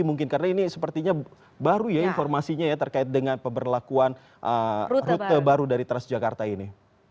mungkin karena ini sepertinya baru ya informasinya ya terkait dengan pemberlakuan rute baru dari transjakarta ini